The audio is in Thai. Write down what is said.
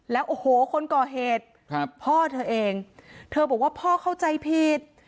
แล้วโอ้โหคนก่อเหตุครับพ่อเธอเองเธอบอกว่าพ่อเข้าใจผิด